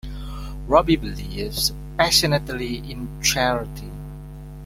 Robbie believes passionately in charity.